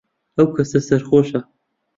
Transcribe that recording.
ئەو کەسە سەرخۆشە.